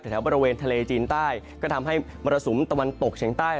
แถวบริเวณทะเลจีนใต้ก็ทำให้มรสุมตะวันตกเฉียงใต้